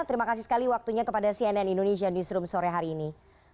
terima kasih sekali waktunya kepada cnn indonesia newsroom sore hari ini